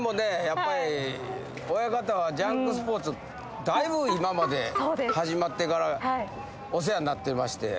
やっぱり親方は『ジャンクＳＰＯＲＴＳ』だいぶ今まで始まってからお世話になってまして。